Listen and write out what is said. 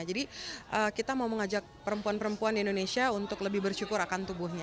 jadi kita mau mengajak perempuan perempuan di indonesia untuk lebih bersyukur akan tubuhnya